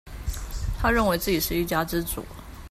他認為自己是一家之主